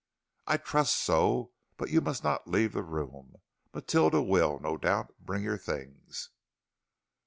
"I trust so. But you must not leave the room. Matilda will, no doubt, bring your things."